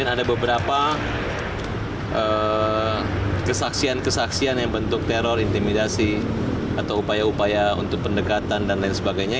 ada beberapa kesaksian kesaksian yang bentuk teror intimidasi atau upaya upaya untuk pendekatan dan lain sebagainya